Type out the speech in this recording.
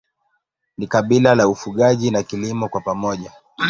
Ni kabila la ufugaji na kilimo kwa pamoja.